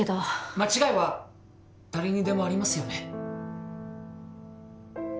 間違いは誰にでもありますよね。